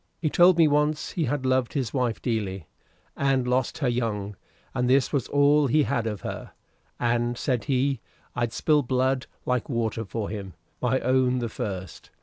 He told me once he had loved his wife dearly, and lost her young, and this was all he had of her. 'And,' said he, 'I'd spill blood like water for him, my own the first.'